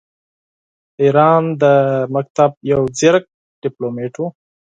د ایران د مکتب یو ځیرک ډیپلوماټ وو.